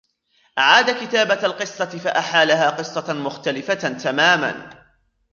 أعاد كتابة القصة فأحالها قصة مختلفة تمامًا.